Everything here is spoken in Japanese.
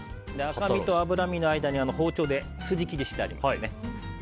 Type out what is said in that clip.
赤身と脂身の間に包丁で筋切りしてあります。